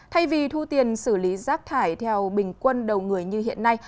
thay vì thu tiền xử lý rác thải theo bình quân đầu người như hiện nay